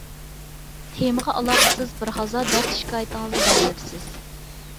تېمىغا ئالاقىسىز بىرھازا دەرد - شىكايىتىڭىزنى دەۋېلىپسىز.